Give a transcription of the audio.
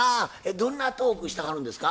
どんなトークしてはるんですか？